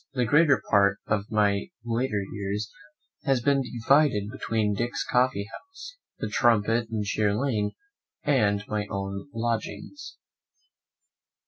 The greater part of my later years has been divided between Dick's coffee house, the Trumpet in Sheer Lane, and my own lodgings.